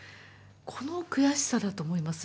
この悔しさだと思いますね。